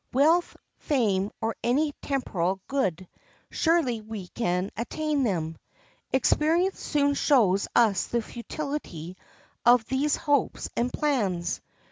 Wealth, fame, or any temporal good—surely we can attain them! Experience soon shows us the futility of these hopes and plans.